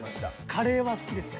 カレー好きです。